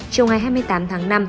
trong ngày hai mươi tám tháng năm